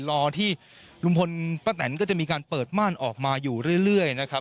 รอที่ลุงพลป้าแตนก็จะมีการเปิดม่านออกมาอยู่เรื่อยนะครับ